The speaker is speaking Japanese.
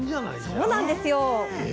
そうなんですよ。